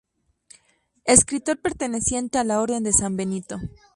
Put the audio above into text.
Escritor perteneciente a la orden de San Benito.